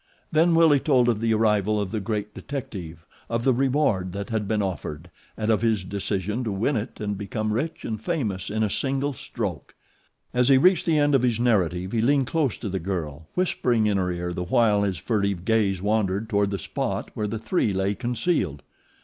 Then Willie told of the arrival of the great detective, of the reward that had been offered and of his decision to win it and become rich and famous in a single stroke. As he reached the end of his narrative he leaned close to the girl, whispering in her ear the while his furtive gaze wandered toward the spot where the three lay concealed.